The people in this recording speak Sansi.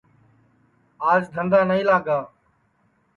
آج دھندا نائی لاگا